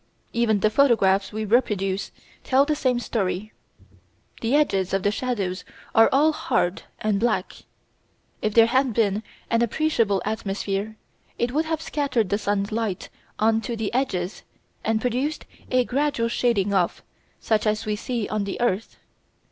Even the photographs we reproduce tell the same story. The edges of the shadows are all hard and black. If there had been an appreciable atmosphere it would have scattered the sun's light on to the edges and produced a gradual shading off such as we see on the earth.